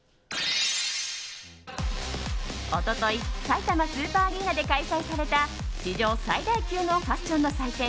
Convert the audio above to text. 一昨日さいたまスーパーアリーナで開催された史上最大級のファッションの祭典